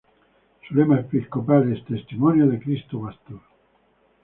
Su lema Episcopal es "Testimonio de Cristo Pastor".